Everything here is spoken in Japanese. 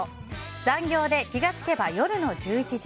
残業で気が付けば夜の１１時。